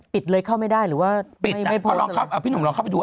ปิดเลยเข้าไม่ได้หรือว่าปิดนะเอาพี่หนุ่มลองเข้าไปดู